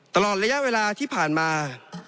ตลอดระยะเวลาที่ผ่านมา